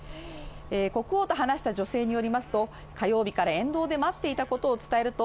国王と話した女性によりますと、火曜日から沿道で待っていたことを伝えると、